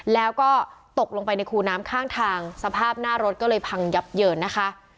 แล้วก็ตกลงไปในคูน้ำข้างทางสภาพหน้ารถก็เลยพังยับเยินนะคะ